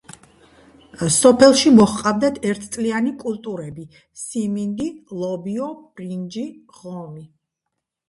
სოფელში მოჰყავდათ ერთწლიანი კულტურები: სიმინდი, ლობიო, ბრინჯი, ღომი.